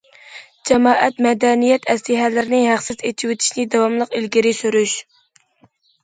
جامائەت مەدەنىيەت ئەسلىھەلىرىنى ھەقسىز ئېچىۋېتىشنى داۋاملىق ئىلگىرى سۈرۈش.